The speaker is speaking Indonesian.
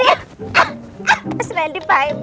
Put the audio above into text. hah hah mas randi baik banget